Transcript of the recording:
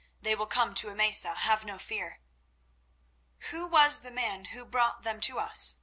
They will come to Emesa, have no fear." "Who was the man who brought them to us?"